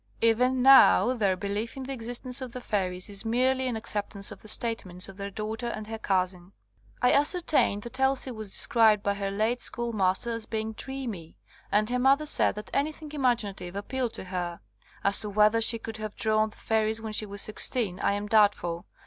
Even now their belief in the existence of the fairies is merely an acceptance of the state ments of their daughter and her cousin. I ascertained that Elsie was described by her late schoolmaster as being dreamy," and her mother said that anything imagina tive appealed to her. As to whether she could have drawn the fairies when she was sixteen I am doubtful.